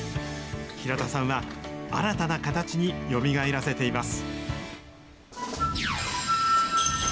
平田さんは、新たな形によみがえらせています。